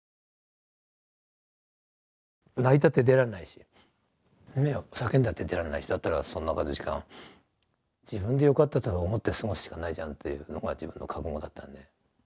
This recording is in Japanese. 泣いたって出られないし叫んだって出られないしだったらその中の時間自分で良かったと思って過ごすしかないじゃんというのが自分の覚悟だったんで。